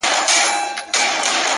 • له ناكامه به يې ښځه په ژړا سوه ,